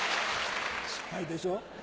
失敗でしょう。